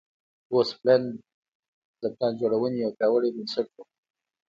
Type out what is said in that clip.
ګوسپلن د پلان جوړونې یو پیاوړی بنسټ و